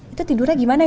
itu tidurnya gimana yuk